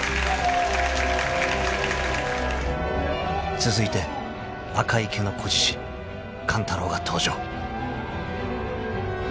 ［続いて赤い毛の仔獅子勘太郎が登場］